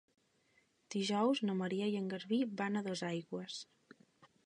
Dijous na Maria i en Garbí van a Dosaigües.